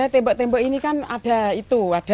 tembok tembok ini kan ada itu